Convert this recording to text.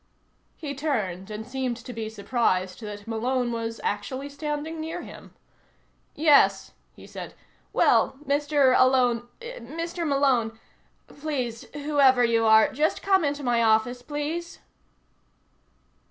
He turned and seemed to be surprised that Malone was actually standing near him. "Yes," he said. "Well. Mr. Alone Mr. Malone please, whoever you are, just come into my office, please?"